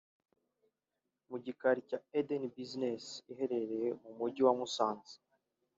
Mu gikari cya “Eden Busines” iherereye mu Mujyi wa Musanze